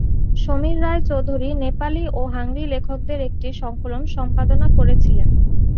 সমীর রায়চৌধুরী নেপালি ও হাংরি লেখকদের একটি সংকলন সম্পাদনা করেছিলেন।